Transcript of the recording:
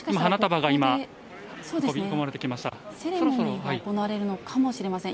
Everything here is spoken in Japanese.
セレモニーが行われるのかもしれません。